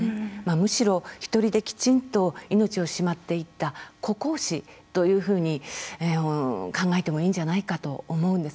むしろ、ひとりできちんと命をしまっていった孤高死というふうに考えてもいいんじゃないかと思うんです。